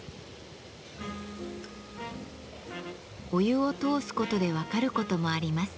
お湯を通すことで分かることもあります。